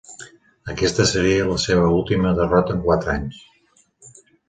Aquesta seria la seva última derrota en quatre anys.